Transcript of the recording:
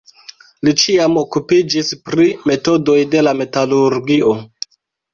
Li ĉiam okupiĝis pri metodoj de la metalurgio.